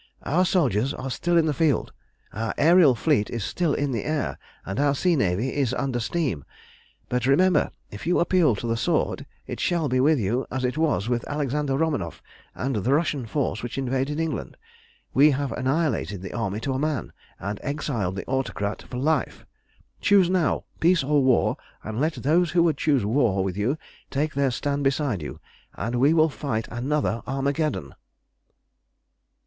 "Our soldiers are still in the field, our aërial fleet is still in the air, and our sea navy is under steam. But, remember, if you appeal to the sword it shall be with you as it was with Alexander Romanoff and the Russian force which invaded England. We have annihilated the army to a man, and exiled the Autocrat for life. Choose now, peace or war, and let those who would choose war with you take their stand beside you, and we will fight another Armageddon!"